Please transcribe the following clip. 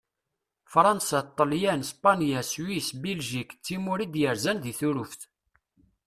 Fṛansa, Ṭelyan, Spanya, Swis, Biljik d timura i d-yerzan di Turuft.